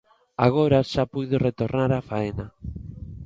Agora xa puido retornar á faena.